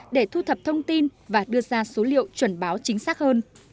để thu thập thông tin và đưa ra số liệu chuẩn báo chính xác hơn